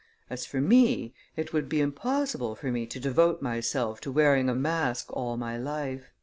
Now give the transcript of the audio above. As for me, it would be impossible for me to devote myself to wearing a mask all my life."